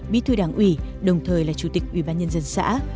bí thư đảng ủy đồng thời là chủ tịch ủy ban nhân dân xã